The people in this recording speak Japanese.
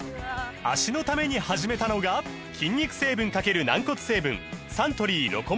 脚のために始めたのが筋肉成分×軟骨成分サントリー「ロコモア」です